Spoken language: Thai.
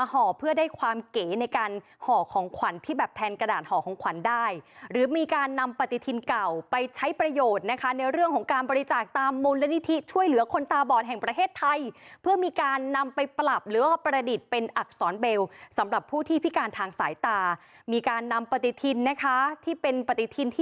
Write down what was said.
ห่อเพื่อได้ความเก๋ในการห่อของขวัญที่แบบแทนกระดาษห่อของขวัญได้หรือมีการนำปฏิทินเก่าไปใช้ประโยชน์นะคะในเรื่องของการบริจาคตามมูลนิธิช่วยเหลือคนตาบอดแห่งประเทศไทยเพื่อมีการนำไปปรับหรือว่าประดิษฐ์เป็นอักษรเบลสำหรับผู้ที่พิการทางสายตามีการนำปฏิทินนะคะที่เป็นปฏิทิน